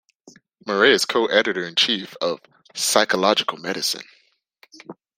Murray is co-editor-in-chief of "Psychological Medicine".